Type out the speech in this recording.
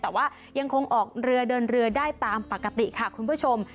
แต่ว่ายังคงออกเรือเดินเรือได้ตามปกติค่ะคุณผู้ชม